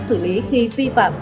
xử lý khi vi phạm